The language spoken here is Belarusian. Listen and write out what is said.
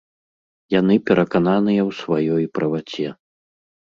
Яны перакананыя ў сваёй праваце.